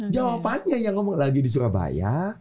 jawabannya yang ngomong lagi di surabaya